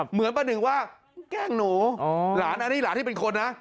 เหมือนประหนึ่งว่าแกล้งหนูหลานอันนี้หลานที่เป็นคนนะ